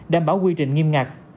đảm bảo quy trình nghiêm ngặt